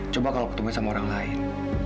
coba kalau ketemu sama orang lain